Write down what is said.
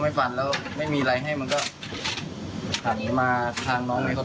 เพราะว่าเขาจะทำลายเราแรกเพราะว่าเขาจะเอาแบงค์อย่างเดียว